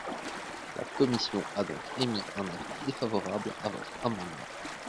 La commission a donc émis un avis défavorable à votre amendement.